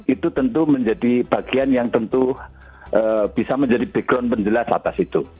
itu tentu menjadi bagian yang tentu bisa menjadi background penjelas atas itu